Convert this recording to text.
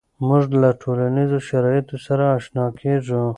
مونږ له ټولنیزو شرایطو سره آشنا کیږو.